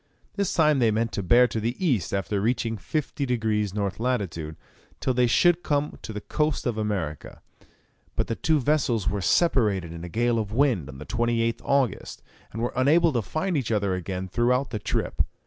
This time they meant to bear to the east after reaching 50 degrees N. lat. till they should come to the coast of America; but the two vessels were separated in a gale of wind on the 28th August, and were unable to find each other again throughout the trip.